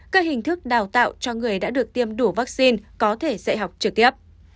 các hình thức đào tạo cho người đã được tiêm đủ vaccine có thể dạy học trực tiếp